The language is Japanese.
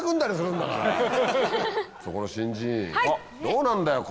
どうなんだよ？